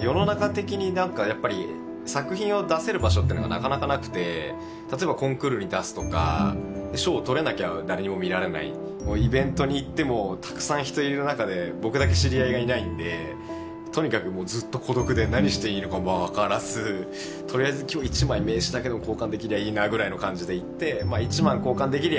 世の中的に何かやっぱり作品を出せる場所っていうのがなかなかなくて例えばコンクールに出すとか賞を取れなきゃ誰にも見られないイベントに行ってもたくさん人いる中で僕だけ知り合いがいないんでとにかくもうずっと孤独で何していいのかも分からずとりあえず今日一枚名刺だけでも交換できりゃいいなぐらいの感じで行って一枚交換できりゃ